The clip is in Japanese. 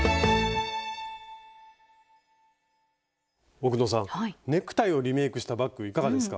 奥野さんネクタイをリメイクしたバッグいかがですか？